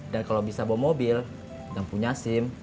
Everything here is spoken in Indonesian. dan kalau bisa bawa mobil dan punya sim